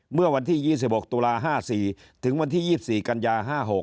เมื่อวันที่๒๖ตุลา๕๔ถึงวันที่๒๔กันยา๕๖